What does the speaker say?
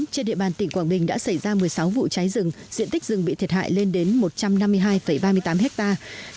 trên địa bàn tỉnh quảng bình đã xảy ra một mươi sáu vụ cháy rừng diện tích rừng bị thiệt hại lên đến một trăm năm mươi hai ba mươi tám hectare